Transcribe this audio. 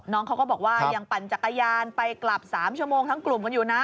น้องเขาก็บอกว่ายังปั่นจักรยานไปกลับ๓ชั่วโมงทั้งกลุ่มกันอยู่นะ